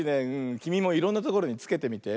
きみもいろんなところにつけてみて。